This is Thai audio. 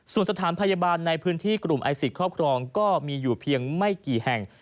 ส่วนสถานพยาบาลในพื้นที่กลุ่มไอศิษย์ครอบครองก็มีอยู่เพียงไม่กี่แห่ง